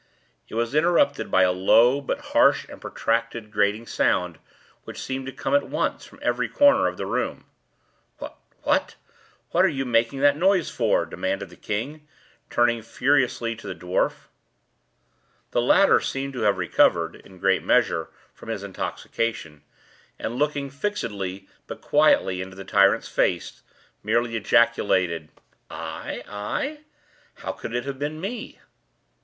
It was interrupted by a low, but harsh and protracted grating sound which seemed to come at once from every corner of the room. "What—what—what are you making that noise for?" demanded the king, turning furiously to the dwarf. The latter seemed to have recovered, in great measure, from his intoxication, and looking fixedly but quietly into the tyrant's face, merely ejaculated: "I—I? How could it have been me?"